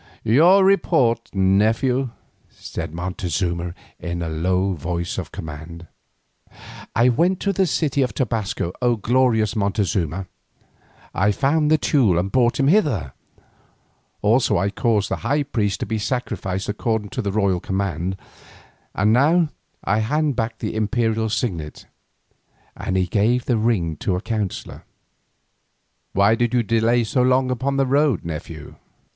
"Your report, nephew," said Montezuma in a low voice of command. "I went to the city of Tobasco, O glorious Montezuma. I found the Teule and brought him hither. Also I caused the high priest to be sacrificed according to the royal command, and now I hand back the imperial signet," and he gave the ring to a counsellor. "Why did you delay so long upon the road, nephew?"